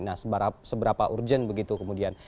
nah seberapa urgent begitu kemudian